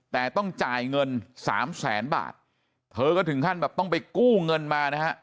แต่ต้องจ่ายเงินสามแสนบาทเธอก็ถึงขั้นแบบต้องไปกู้เงินมานะฮะ